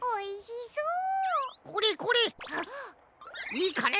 いいかね？